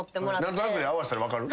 何となくで合わせたら分かる？